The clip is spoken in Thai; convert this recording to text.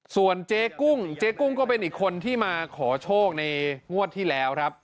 ส่วนเจ๊กุ้งเจ๊กุ้งก็เป็นอีกคนที่มาขอโชคในงวดที่แล้วครับ